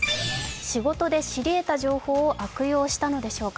仕事で知り得た情報を悪用したのでしょうか。